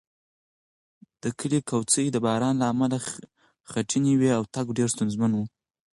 د کلي کوڅې د باران له امله خټینې وې او تګ ډېر ستونزمن و.